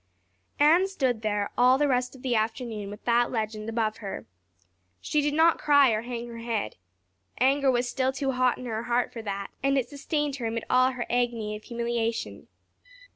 Anne stood there the rest of the afternoon with that legend above her. She did not cry or hang her head. Anger was still too hot in her heart for that and it sustained her amid all her agony of humiliation.